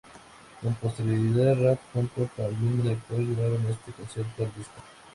Con posterioridad, Rapp junto al mismo director llevaron este concierto al disco.